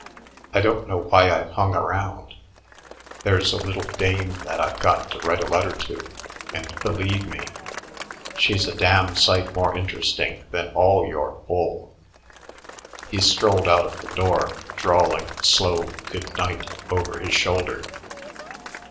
I don't know why I've hung around. There's a little dame that I've got to write a letter to, and, believe me, she's a damn sight more interesting than all your bull." He strolled out of the door, drawling a slow "good night" over his shoulder.